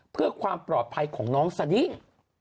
เพื่อความปลอดภัยของน้องสดิ้ง